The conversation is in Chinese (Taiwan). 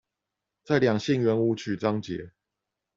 在兩性圓舞曲章節